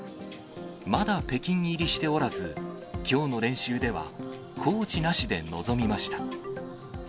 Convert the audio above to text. まだ北京入りしておらず、きょうの練習ではコーチなしで臨みました。